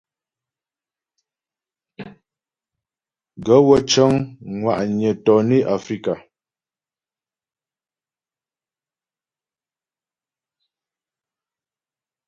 Gaə̂ wə́ cə́ŋ ŋwà'nyə̀ tɔnə Afrikà.